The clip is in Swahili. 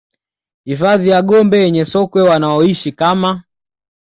Hifadhi ya Gombe yenye sokwe wanaoishi kama